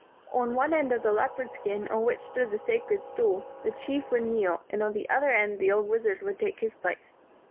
On one end of the leopard skin on which stood the sacred stool, the chief would kneel, and on the other end the old wizard would take his place.